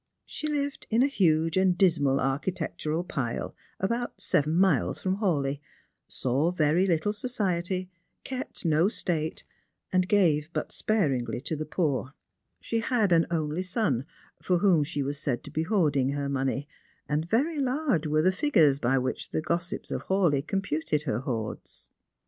She lived in a huge and dismal architectural pile about seven miles from Hawleigh, saw very little society, kept no state, and gave but sparingly to the poor. She had an only son, for whom she was said to be hoarding her money, and very large were the figures by which the gossips of Hawleigh computed her hoards.